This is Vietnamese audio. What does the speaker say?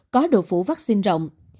có độ phủ vaccine rộng